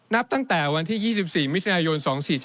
นับตั้งแต่วันที่๒๔มิถุนายน๒๔๗